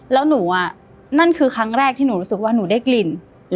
แล้วหนูนั่นคือครั้งแรกที่หนูรู้สึกว่าหนูได้กลิ่น